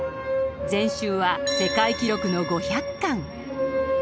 全集は世界記録の５００巻。